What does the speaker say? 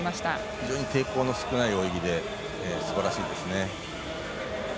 非常に抵抗の少ない泳ぎですばらしいですね。